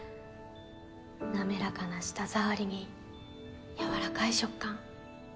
滑らかな舌触りに柔らかい触感。